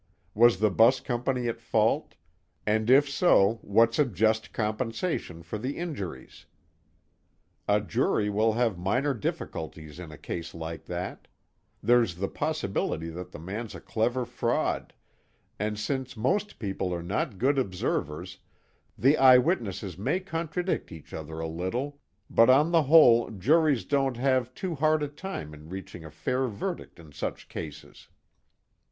was the bus company at fault, and if so what's a just compensation for the injuries? A jury will have minor difficulties in a case like that: there's the possibility that the man's a clever fraud, and since most people are not good observers, the eyewitnesses may contradict each other a little, but on the whole juries don't have too hard a time in reaching a fair verdict in such cases.